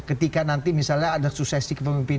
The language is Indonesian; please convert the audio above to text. ketika nanti misalnya ada suksesi kepemimpinan